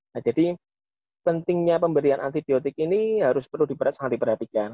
nah jadi pentingnya pemberian antibiotik ini harus perlu sangat diperhatikan